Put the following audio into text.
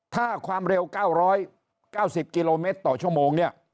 ถ้าความเร็ว๙๙๐กิโลเมตรต่อชั่วโมงเนี่ย